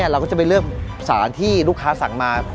เราก็จะไปเลือกสารที่ลูกค้าสั่งมา